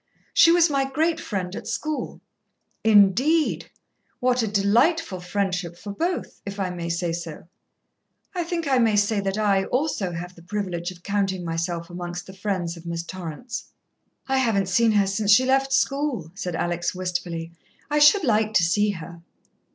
"She was my great friend at school." "Indeed! What a delightful friendship for both, if I may say so. I think I may say that I, also, have the privilege of counting myself amongst the friends of Miss Torrance." "I haven't seen her since she left school," said Alex wistfully. "I should like to see her."